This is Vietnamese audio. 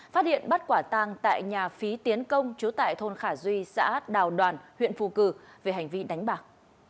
phát hiện bắt quả tang tại nhà phí tiến công chúa tại thôn khả duy xã đào đoàn huyện phù cử về hành vi đánh bạc